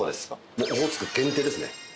もうオホーツク限定ですね。